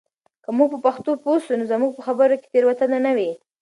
که موږ په پښتو پوه سو نو زموږ په خبرو کې تېروتنه نه وي.